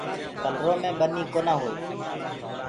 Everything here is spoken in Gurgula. ڪلرو مي ٻنيٚ ڪونآ هوئي